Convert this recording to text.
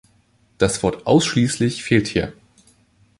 Das Wort "ausschließlich" fehlt hier.